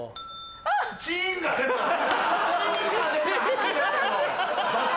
チンが出た！